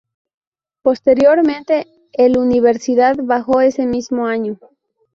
Posteriormente, el Universidad bajó ese mismo año.